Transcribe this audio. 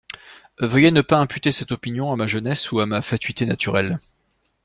Veuillez ne pas imputer cette opinion à ma jeunesse ou à ma fatuité naturelle.